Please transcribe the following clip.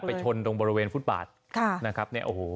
ไปชนตรงบริเวณฟุตบาทนะครับ